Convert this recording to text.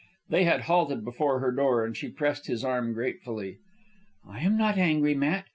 They had halted before her door, and she pressed his arm gratefully. "I am not angry, Matt.